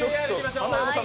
花山さん